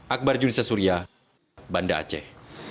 akbar juliza surya banda aceh